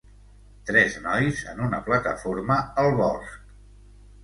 Tres nois en una plataforma al bosc.